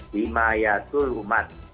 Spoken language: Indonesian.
bima yatul umat